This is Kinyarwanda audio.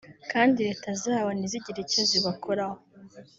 kandi Leta zabo ntizigire icyo zibakoraho